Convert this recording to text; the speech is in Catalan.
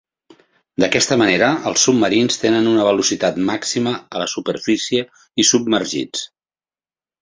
D'aquesta manera els submarins tenen una velocitat màxima a la superfície i submergits.